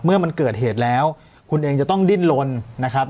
เมื่อมันเกิดเหตุแล้วคุณเองจะต้องดิ้นลนนะครับ